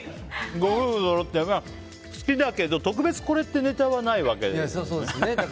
ご夫婦そろって、好きだけど特別これってネタはないわけみたいですね。